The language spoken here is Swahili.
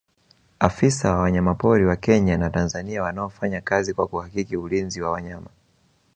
afisa wa wanyamapori wa kenya na tanzania wanaofanya kazi kwa kuhakiki ulinzi wa wanyama